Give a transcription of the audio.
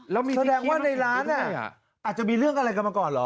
แสดงว่าในร้านเนี่ยอาจจะมีเรื่องอะไรกันมาก่อนหรอ